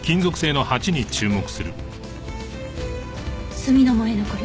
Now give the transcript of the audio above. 炭の燃え残り。